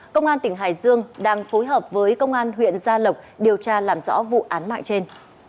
công an tỉnh hải dương đang phối hợp với công an huyện gia lộc điều tra làm rõ vụ án mạng trên